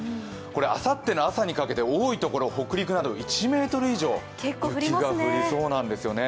あさっての朝にかけて多いところ、北陸など１ｍ以上、雪が降りそうなんですよね。